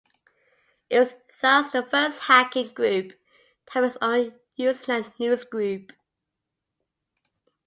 It was thus the first hacking group to have its own Usenet newsgroup.